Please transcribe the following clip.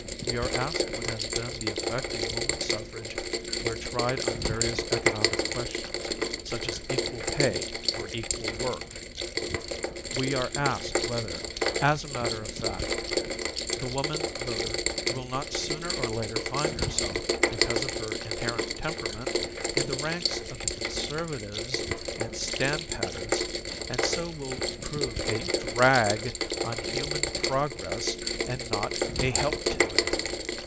We are asked what has been the effect of woman suffrage where tried on various economic questions, such as equal pay for equal work. We are asked wliether, as a matter of fact, the woman voter will not sooner or later find herself, because of her inherent temperament, in the ranks of the conservatives and standpatters, and so will prove a drag on human progress and not a help to it.